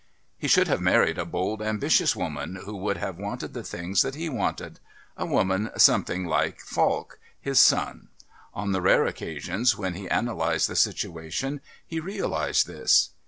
He should have married a bold ambitious woman who would have wanted the things, that he wanted a woman something like Falk, his son. On the rare occasions when he analysed the situation he realised this.